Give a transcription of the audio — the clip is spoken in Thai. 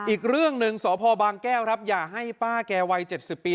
อีกเรื่องหนึ่งสพบางแก้วครับอย่าให้ป้าแกวัย๗๐ปี